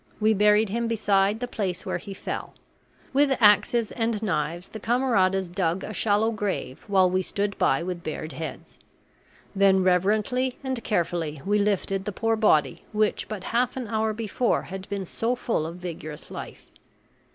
We buried him beside the place where he fell. With axes and knives the camaradas dug a shallow grave while we stood by with bared heads. Then reverently and carefully we lifted the poor body which but half an hour before had been so full of vigorous life.